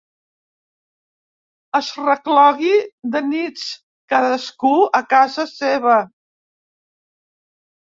Es reclogui de nits, cadascú a casa seva.